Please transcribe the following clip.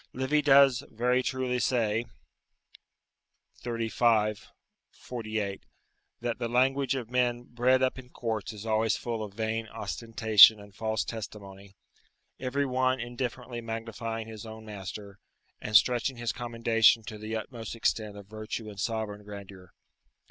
Livy does very truly say, [xxxv. 48.] "That the language of men bred up in courts is always full of vain ostentation and false testimony, every one indifferently magnifying his own master, and stretching his commendation to the utmost extent of virtue and sovereign grandeur."